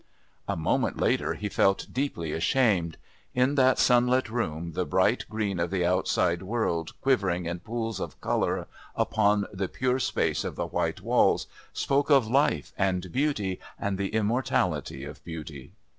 A moment later he felt deeply ashamed. In that sunlit room the bright green of the outside world quivering in pools of colour upon the pure space of the white walls spoke of life and beauty and the immortality of beauty.